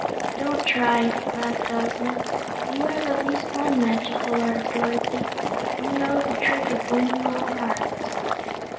"Don't try," laughed Ozma. "But you have at least one magical art, Dorothy: you know the trick of winning all hearts."